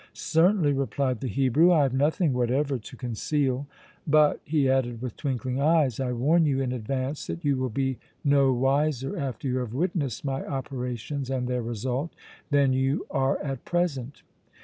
"Certainly," replied the Hebrew. "I have nothing whatever to conceal; but," he added, with twinkling eyes, "I warn you in advance that you will be no wiser after you have witnessed my operations and their result than you are at present!"